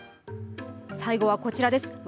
最後はこちらです。